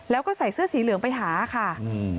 แล้วก็ใส่เสื้อสีเหลืองไปหาค่ะอืม